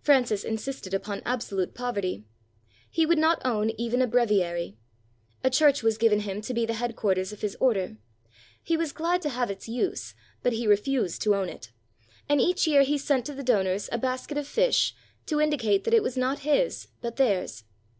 Francis insisted upon absolute poverty. He would not own even a breviary. A church was given him to be the headquarters of his order. He was glad to have its use, but he refused to own it; and each year he sent to the donors a basket of fish to indicate that it was not his but theirs.